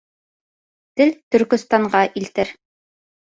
Тел Төркөстанға илтер.